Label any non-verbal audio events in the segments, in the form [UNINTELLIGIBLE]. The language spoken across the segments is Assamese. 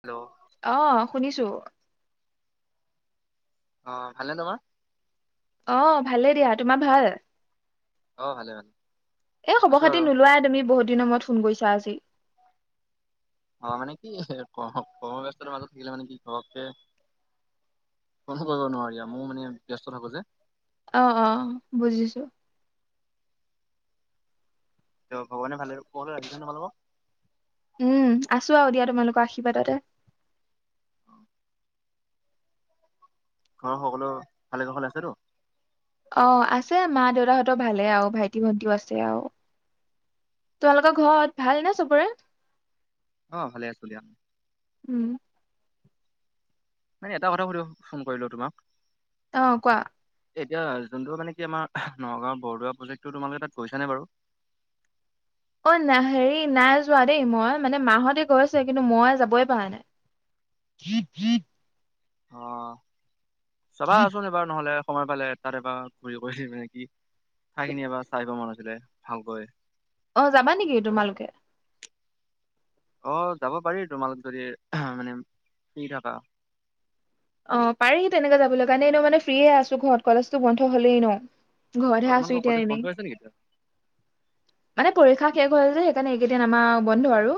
হেল্ল', আহ শুনিছো। অ' ভালে নহয়? অ' ভালে দিয়া, তোমাৰ ভাল? অ ভালে ভালে এ আছো খবৰ আৰু খাতি নোলোৱাই তুমি বহুত দিনৰ মূৰত ফোন কৰিছা আজি। অ' মানে কি ক কৰ্মব্যস্ততাৰ মাজত থাকিলে মানে কি ধৰক যে কোনটো কৰিব নোৱাৰি আৰু মায়ো মানে ব্যস্ত থাকো যে। অ-অ বুজিছো, ত ভগৱানে ভালেৰো ক ৰাখিছেনে তোমালোকক? উম আছো আৰু দিয়া তোমালোকৰ আশীৰ্বাদতে। ঘৰৰ সকলো ভালে কৌশলে আছেটো? অ' আছে মা দেউতাহঁতৰ ভালেই আৰু ভাইটি-ভন্টিও আছে আৰু তোমালোকৰ ঘৰত ভালনে চবৰে? অ' ভালে আছো দিয়া। উম, মানে এটা কথা সুধো ফোন কৰিলো তোমাক? অ' কোৱা? এতিয়া যোনটো মানে কি আমাৰ নগাঁওৰ বৰদোৱা প্ৰজেক্টটো তোমালোকে তাত গৈছ নে বাৰু? অ' না হেৰি নাই যোৱা দেই মই মানে মাহতে গৈছে কিন্তু মই যাবই পৰাই নাই। আহ, চাবাছোঁন এবাৰ নহ'লে। সময় পালে তাত এ পৰা ঘূৰি কৰি মানে কি, খাইখিনি এবাৰ চাইআহিব মন আছে। ভালকৈ? অ' যাবা নেকি তোমালোকে? অ' যাব পাৰি তোমালোক যদি মানে ফ্ৰী থাকা। অ পাৰিহি তেনেকে যাবলৈ কাৰণে ন মানে ফ্ৰি আছো ঘৰত কলেজটো বন্ধ হলেই ন। অ ঘৰতহে আছো তোমালোকৰ এতিয়া কলেজ বন্ধ এনেই হৈ আছে নেকি এতিয়া মানে পৰীক্ষা শেষ। হ'ল যে সেইকাৰণে এইকেইদিন আমাৰ বন্ধ আৰু।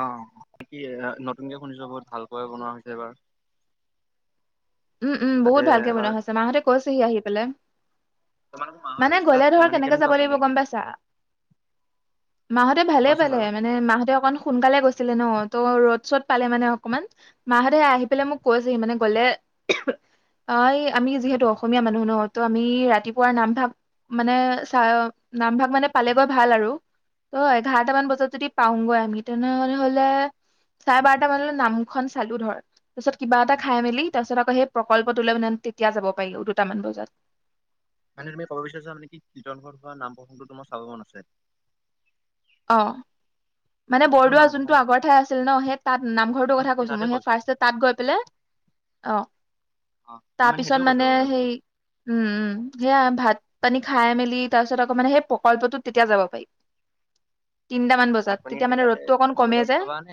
অ' কি-কি নতুনকে শুনিছো বহুত ভালক বনোৱা হৈছে এবাৰ। উম-উম, তাতে বহুত ভালকে বনোৱা এবাৰ হৈছে মাহঁতে কৈছেহি আহি পেলাই। তোমালোকৰ মাহঁতে মানে গৈছিল তাত গলে ধৰ মানে কেনেকে কেনেকুৱা যাব লাগিব পালে বাৰু গম পাইছা মাহঁতে ভালেই কোৱাচোন পালে বাৰু মানে মাহঁতে অকন সোনকালে গৈছিলে ন। ত ৰ'দ-চ'দ পালে মানে অকনমান মাহঁতে আহি পেলাই মোক কৈছেহি মানে গলে অ এই আমি যিহেতু অসমীয়া মানুহ নহ ত আমি ৰাতিপুৱা নামভাগ মানে চ নামভাগ মানে পালেগৈ ভাল আৰু ত এঘাৰটা মান বজাত যদি পাওঁগৈ আমি তেনেহলে চাৰে বাৰটা মানলৈ নামখন চালো ধৰ তাৰপিছত কিবা এটা খাই মেলি তাৰপিছত সেই প্ৰকল্পটো লৈ মানে তেতিয়া যাব পাৰিব দুটামান বজাত। মানে তুমি ক'ব বিচাৰছা নে কি কীৰ্তন ঘৰত হোৱা নাম প্ৰসংগটো তোমাৰ চাব মন আছে? অ', মানে তাতেতো বৰদোৱা নাম যোনটো প্ৰসংগ আগৰ ঠাই আছিল ন সেই তাত নামঘৰটোৰ কথা কৈছো। মই সেই ফাৰ্ষ্ট তাত গৈ পেলাই অ'। অ' তাৰপিছত সেইটোয়ে কৈছো মানে সেই উম উম সেয়া ভাত। পানী খাই মেলি তাৰ পিছত আকৌ মানে সেই প্ৰকল্পটো তেতিয়া যাব পাৰি। তিনটামান ভাত বজাত পানী তেতিয়া আনে মানে তাতে ৰ'দটো অকণ কমে হোটেলত যে খাবানে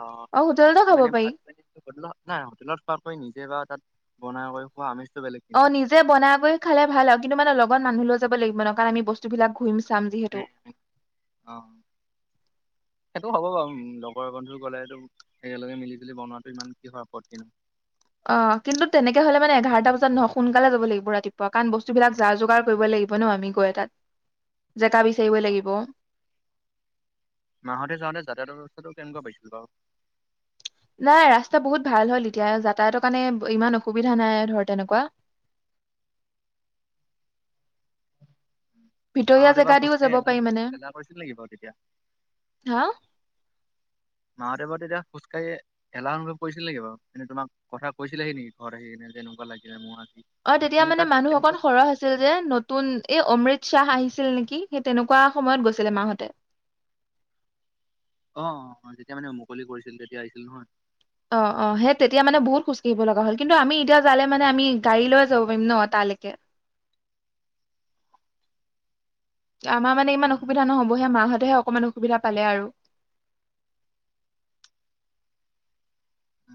আহ অ হোটেলতো খাব মানে পাৰি ভাত পানী হোটেলত নাই হোটেলত খোৱাকৈ নিজে বা তাত। বনাই কৰি খোৱা আমি অ' নিজে বনাই কৈ খালে ভাল আৰু কিন্তু মানে লগত মানুহ ল যাব লাগিব ন কাৰণ আমি বস্তুবিলাক ঘম অ সেইটো হ'ব বাৰু। উ লগৰ বন্ধু গ'লেতটো একেলগে মিলি জুলি বনোৱাটো ইমান কিহৰ আপত্তি নহয়। অ কিন্তু তেনেকে হলে মানে এঘাৰটা বজাত নহয় সোনকালে যাব লাগিব ৰাতিপুৱা কাৰণ বস্তুবিলাক যাৰ যোগাৰ কৰিব লাগিব ন আমি গৈ এ তাত। জেকা বিচাৰিবই অ' লাগিব। মাহঁতে যাওঁতে যাতায়াত ব্যৱস্থাটো কেনেকুৱা পাইছিল বাৰু? নাই ৰাস্তা বহুত ভাল হল এতিয়া যাতায়তৰ কাৰণে ইমান অসুবিধা নাই ধৰ তেনেকুৱা। ভিতৰীয়া জেগা মহাদেৱক দিও খোজ যাব কঢ়িলা পাৰি লিছিল মানে হেলা কৰিছিল নেকি বাৰু তেতিয়া হা মাহাদেৱৰ তেতিয়া খোজকাঢ়ি এলা অনুভব কৰিছিল নেকি বাৰু এনে তুমাক কথা কৈছিলেহি নেকি ঘৰত আহি কিনে যেনেকুৱা লাগিলে মোৰত অ' তেতিয়া মানে মানুহ অকন সৰহ আছিল যে নতুন এই অমৃত শাহ আহিছিল। ছিল নেকি সেই তেনেকুৱা সময়ত গৈছিলে মাহতে। অ' অ' যেতিয়া মানে মুকলি কৰিছিল তেতিয়া আহিছিল নহয়। অ' অ' সেই তেতিয়া মানে বহুত খোজকাঢ়িব লগা হ'ল কিন্তু আমি এতিয়া যালে মানে আমি গাড়ী লৈ যাব পাৰিম ন তালৈকে। আমাৰ মানে ইমান উম, উম, অসুবিধা নহবহে মাহঁতে হক অকমান অসুবিধা পালে আৰু উ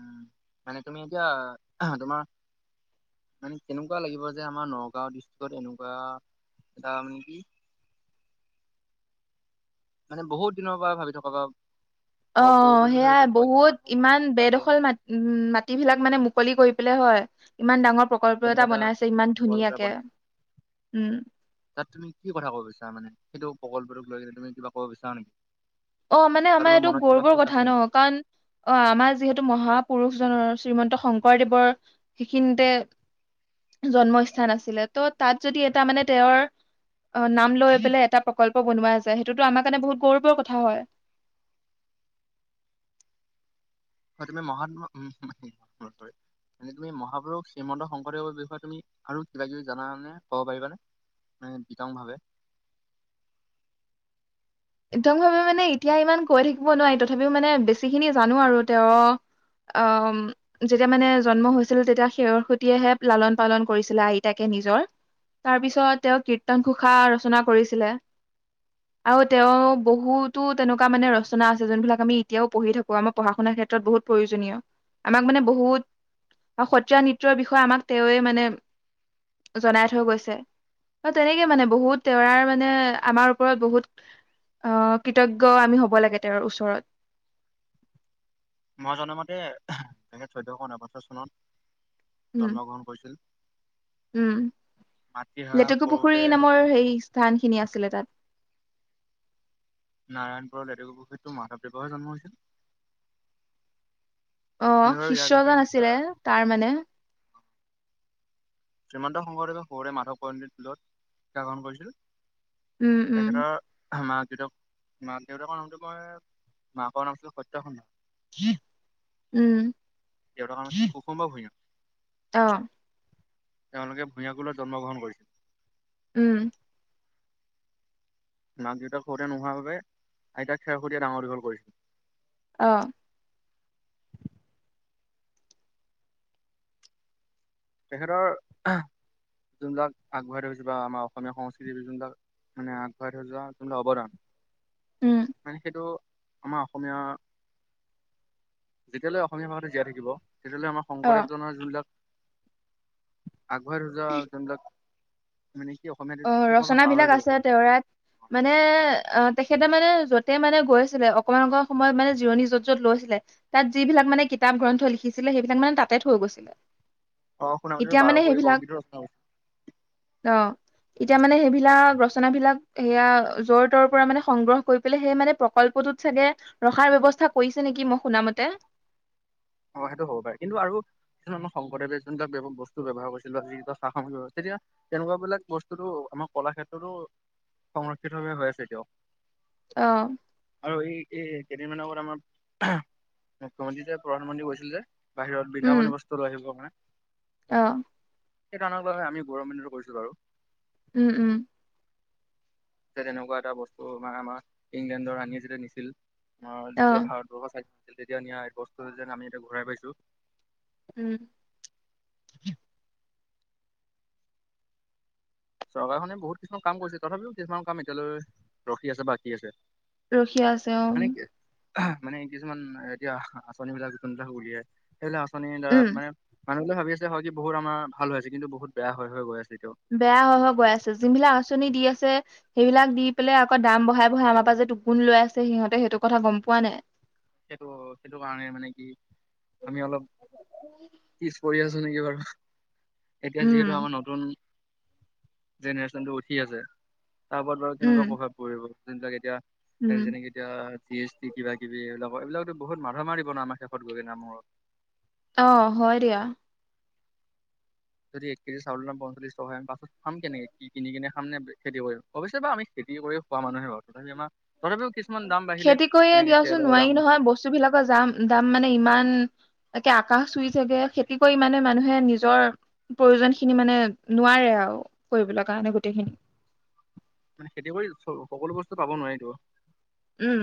মানে তুমি এতিয়া তোমাৰ মানে কেনেকুৱা লাগিব যে আমাৰ নগাঁও ডিষ্ট্ৰিক্ট এনেকুৱা এটা মানে কি মানে বহুত দিনৰ পৰা ভালকে থকা বা অ' পৰিকল্পিত সেয়াই যেনেকুৱা বহুত মানুহৰ মনত ইমান থকা যে বেডখল ম উ মাটি বিলাক মানে মুকলি কৰি হয় ইমান ডাঙৰ প্ৰকল্প এটা তেনেকুৱা বনাইছে ইমান এটা ধুনীয়াকে বনাইছে উম তাত তুমি কি কথা কব বিছাৰা মানে। সেইটো প্ৰকল্পটোক লৈ কিনে তুমি কিবা ক'ব বিচাৰা নেকি? অ' মানে বা আমাৰ তোমাৰ এইটো মনত কিবা গৰ্বৰ সোচ কথা আছে ন নেকি কাৰণ অ' আমাৰ যিহেতু মহাপুৰুষ। নৰ শ্ৰীমন্ত শংকৰদেৱৰ সেইখিনিতে জন্মস্থান আছিলে ত তাত যদি এটা মানে তেওঁৰ নাম লৈ পেলাই এটা প্ৰকল্প বনোৱা যায় সেইটোতো আমাৰ কাৰণে বহুত গৌৰৱৰ কথা। কথা হয়। হয় তুমি মহ উ চ তুমি মহাপুৰুষ শ্ৰীমন্ত শংকৰদেৱৰ বিষয়ে তুমি আৰু কিবা কিবি জানানে ক'ব পাৰিবানে বিতংভাৱে। একদম ভাৱে মানে এতিয়া ইমান কৈ থাকিব নোৱাৰি তথাপিও মানে বেছি খিনি জানো আৰু তেওঁৰ আহ যেতিয়া মানে জন্ম হৈছিল তেতিয়া সেৰ সৈতেহে লালন পালন কৰিছিলে আইতাকে নিজৰ তাৰ পিছত তেওঁ কীৰ্তন ঘোষা ৰচনা কৰিছিলে আৰু তেওঁ বহুতো তেনেকুৱা মানে ৰচনা আছে। যোনবিলাক আমি এতিয়াও পঢ়ি থাকোঁ‌। আমাৰ পঢ়া শুনাৰ ক্ষেত্ৰত বহুত প্ৰয়োজনীয় আমাক মানে বহুত সত্ৰীয়া নৃত্যৰ বিষয়ে আমাক তেৱে মানে জনাই থৈ গৈছে। তেনেকে মানে বহুত তেৰাৰ মানে আমাৰ ওপৰত বহুত। আহ কৃতজ্ঞ। আমি হ'ব লাগে তেওঁৰ ওচৰত। মই জনামতে তেখেত চৈধ্যশ নবছৰ চনত। উম জন্ম গ্ৰহণ কৰিছিল। উম মাতৃহাৰা লেটেকু সৰুতে পুখুৰী নামৰ হৈছিল সেই স্থান খিনি আছিলে তাত। নাৰায়ণপুৰৰ লেতেকু পুখুৰী তটো মাধৱদেৱহে জন্ম হৈছিল অ তুমি বাৰু ইয়াৰ বিষয়ে শিষ্যজন ইমান এটা আছিলে তাৰ মানে। শ্ৰীমন্ত শংকৰদেৱে সৰুতে মাধৱ কন্দলীৰ স্কুলত শিক্ষা গ্ৰহণ কৰিছিল। উম উম তেখেতৰ মাক দেউতাক মাকৰ দেউতাকৰ নামটো মই মাকৰ নামটো সত্যসধ্যা উম দেউতাৰ নাম আছিল কুসুম্বা ভূঞা। অহ তেওঁলোকে ভূঞাকুলত জন্মগ্ৰহণ কৰিছিল। উম মাক দেউতাক সৰুতে নোহোৱাৰ বাবে আইতাক খেৰসূতিয়ে ডাঙৰ দীঘল কৰিছিল। অহ তেখেতৰ যোনবিলাক আগবঢ়াই থৈছে বা আমাৰ অসমীয়া সংস্কৃতিৰ যোনবিলাক মানে আগবঢ়াই থৈ যোৱা যোনবিলাক অৱদান। উম মানে সেইটো আমাৰ অসমীয়া। যেতিয়ালৈ অসমীয়া ভাষাটো জীয়াই থাকিব। তেতিয়ালে আমাৰ অ শংদেৱজনৰ যোন বিলাক। আগঢ়াই থৈ যোৱা যোনবিলাক মানে, কি অসমীয়াত অ কি কয় মই ৰচনা বিলাক পাহৰিলো বাৰু। আছে তেওঁৰে মানে এ তেখেতে তেখেতে মানে য'তে মানে গৈছিলে, অকণমান অকণমান সময়ত মানে জিৰণি য'ত য'ত লৈছিলে, তাত যিবিলাক মানে কিতাপ গ্ৰন্থ লিখিছিলে সেইবিলাক মানে তাতে থৈ গৈছিলে। অ শুনামতে এতিয়া বাৰ মানে কুৰি সেইবিলাক বৰগীটৰ ৰচনা কৰিছিল। অ এতিয়া মানে সেইবিলাক ৰচনাবিলাক সেয়া যৰ তৰ পৰা মানে সংগ্ৰহ কৰি পেলাই সেই মানে প্ৰকল্পটোত চাগে, ৰখাৰ ব্যৱস্থা কৰিছে নেকি মই শুনা মতে। অ সেইটো হ'ব পাৰে কিন্তু আৰু কিছুমান আমাৰ শংকৰদেৱে যোনবিলাক বস্তু ব্যৱহাৰ কৰিছিল বা যি সা সামগ্ৰী ব্যৱহাৰ, তেতিয়া তেনেকুৱা বিলাক বস্তুোটো আমাৰ কলা ক্ষেত্ৰতো সংৰক্ষিতভাৱে হৈ আছে এতিয়াও। অহ ত এই কেইদিনমান আগত আমাৰ মুখ্যমন্ত্ৰী যে প্ৰধানমন্ত্ৰী কৈছিল যে বাহিৰত বৃন্দাৱনী বস্ত্ৰলৈ আহিবৰ কাৰণে। অহ সেইকাৰণ হৈ আমি গৌৰৱান্বিত অনুভৱ কৰিছো বাৰু উম উম যে তেনেকুৱা এটা বস্তু মানে আমাৰ ইংলেণ্ডৰ ৰানীয়ে যেতিয়া নিছিল অ তেতিয়া ভাৰতবৰ্ষ চাগে তেতিয়া নিয়া বস্তু এই যেন আমি এতিয়া ঘূৰাই পাইছোঁ। উম চৰকাৰখনে বহুত কিছুমান কাম কৰিছে তথাপিও কিছুমান কাম এতিয়ালৈ ৰখি আছে বা বাকী আছে। ৰখি আছে অ মানে কি মানে কিছুমান এতিয়া আচনি বিলাক যিমান বিলাক উলিয়াই আছে। সেইবিলাক আঁচনিৰ দ্বাৰা উম, মানে মানুহ বিলাকে ভাবি আছে হয় কি বহুত আমাৰ ভাল আ হৈছে কিন্তু বহুত, আমাৰ বেয়া হৈ হৈ গৈ আছে এতিয়াও বেয়া অ বাই আছে যি বিলাক আঁচনি দি আছে সেইবিলাক দি পেলাই আকৌ দাম বঢ়াই বঢ়াই আমাৰ পৰা যে দুগুন লৈ আছে সিহঁতে সেইটো কথা গম পোৱা নাই সেইটো সেইটো কাৰণে মানে কি আমি অলপ পিছ পৰি আছো নেকি বাৰ এতিয়া যিহেতু উম, আমাৰ নতুন জেনেৰেশ্যনটো উঠি আছে তাৰ ওপৰত বাৰ উম, কেনেকুৱা প্ৰভাৱ পৰিব তেুৱ কেতিয়া উম, স যেনেকি এতিয়া চি এছ টি কিবা কিবি এইাক অ এইবিলাকতো বহুত মাথা মাৰিব ন আমাৰ শেষত গৈগে ন মূৰত অ হয় দিয়া যদি এক কেজি চাউল পঞ্চল্লিছ টকাম পাছত খাম কেনেকে কি কিনিনে খাম নে খেতি কৰিম অৱশ্যে বা আমি খেতি কৰি খোৱা মানুহে বাৰু তথাপি আমাৰ তথাপিও কিছুমান দাম বাঢ়িলে খেতি কৰিয়ে যেনেকে দিয়াচোন তেলৰ দাম নোৱাৰি বাঢ়িলে নহয় বস্তু বিলাকৰ যাম দাম মানে ইমান একে আকাশ চুই থাকে খেতি কৰি ইমানে মানুহে নিজৰ প্ৰয়োজন খিনি মানে নোৱাৰে আৰু কৰিবলৈ কাৰণে গোটেইখিনি মান খেতি কৰি সকলো বস্তু পাব নোৱাৰিতো উম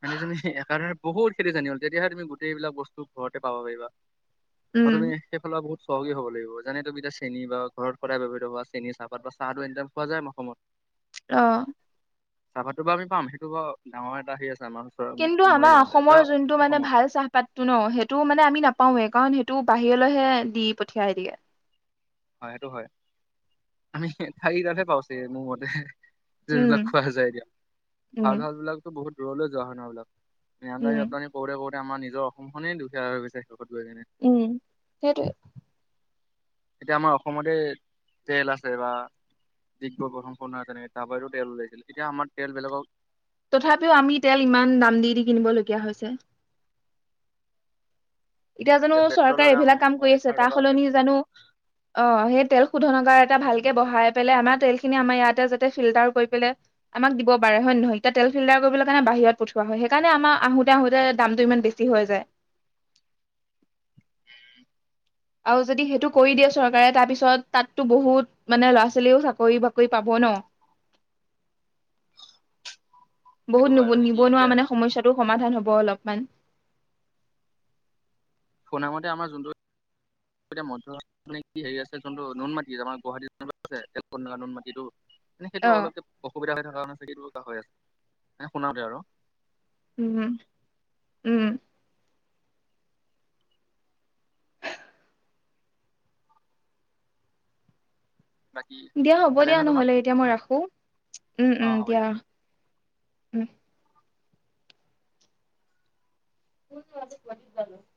মানে তুমি এে বহুত খেতি জানি হ'ল তেতিয়াহে তুমি গোটেইবিলাক বস্তু ঘৰতে পাব পাৰিবা উম, আৰু আমি সেইফালৰ বহুত চহকী হ'ব লাগিব যেনে তুমি এতিয়া চেনী বা ঘৰত সদায় ব্যৱহাৰ থোৱা চেনী চাহপাত বা চাহটো এনে খোৱা যায় অসমত আহ চাহপাতটো বা আমি পাম সেইটো বাৰ ডাঙৰ এটা হেৰি আছে আমাৰ ওচৰ কিন্তু আমাৰ মৰিগাঁওতে বা অসমৰ যোনটো মানে অসমত ভাল চাহপাতটো ন সেইটো মানে আমি নাপাও এ কাৰণ সেইটো বাহিৰলৈহে দি পঠিয়াই দিয়ে হয় সেইটো হয় আমি খঠাৰি তাতহে পাওছ মোৰ মতে যোনবিলাক উম খোৱা যায় দিয়ক ভাল উম ভাল বিলাকতো বহুত দূৰলে যোৱা হোৱা নাই আমদানি উম ৰপ্তানি কৰোঁতে কৰোঁ আমাৰ নিজৰ অসম খনেই দুখীয়া হৈ গৈছে স উম সেইটোৱে এতিয়া আমাৰ অসমতে তেল আছে বা ডিগবৈ প্ৰথম খন হয় তেনেকে তাৰপতো তেল ওলাইছিল এতিয়া আমাৰ তেল বেলেগক তথাপিও আমি তেল ইমান দাম দি দি কিনিবলগীয়া হৈছে এতিয়া জানো পেট্ৰলৰ চৰকাৰে দাম এইবিলাক এশ কাম কৰি আছে এঘাৰ তাৰ টকা হৈ আছে সলনি জানো অ সেই তেল শোধনাগাৰ এটা ভাল তে বহাই পেললে আমাৰ তেল খিনি আমাৰ ইয়াতে যাতে ফিল্টাৰ কৰি পেলাই আমাক দিব পাৰে হয় নে নহয় এতিয়া তেল ফিল্টাৰ কৰিবলৈ কাৰণে বাহিৰত পঠিওৱা হয় সেইকাৰণে আমাৰ আহোতে আহোতে দামতটো ইমান বেছি হৈ যায় উম আৰু যদি সেইটো কৰি দিয়ে চৰকাৰে তাৰ পিছত তাততো বহুত মানে ল'ৰা ছোৱালীও চাকৰি বাকৰি পাব ন সেইটো বহুত হয় নিব মানে কি নিবনুৱা এতিয়া মানে সমস্যাটো সমাধান হ'ব অলপমান শুনামতে আমাৰ যোনটো এ ম মানে কি হে আছে যোনটো নুনমাটি আমাৰ গুৱাহাটীৰ নুন মাটিতটো মানে সেইটো অ অলপকে অসুবিধা হৈ থকা আছে কিন্তু হৈ আছে এ শুনাও দে আৰু উম উম বাকী দিয়া হ'ব ভালে দিয়া নহয় তোমাৰ? নহলে এতিয়া মই ৰাখো উম অ উম হ'ব দিয়া উম উ আৰু প়ি যালো [UNINTELLIGIBLE]